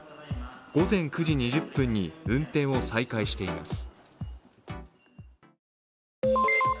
午前９時２０分に運転を再開しています。